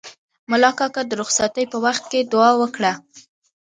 ملا کاکا د رخصتۍ په وخت کې دوعا وکړه.